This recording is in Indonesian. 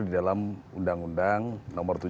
di dalam undang undang nomor tujuh